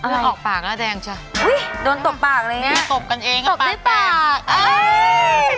เรื้อออกปากแล้วแดงช่ะนี่ครับกลับกันเองอะปากแดง